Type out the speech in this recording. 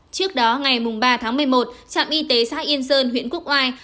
trước đó ngày ba tháng một mươi một trạm y tế xã yên sơn huyện quốc oai